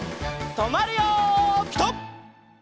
とまるよピタ！